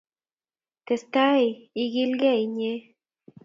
Testai ikilgey inye.